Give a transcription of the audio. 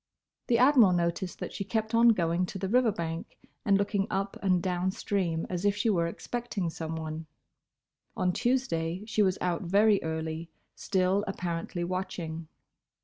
The Admiral noticed that she kept on going to the river bank and looking up and down stream as if she were expecting someone. On Tuesday she was out very early, still apparently watching.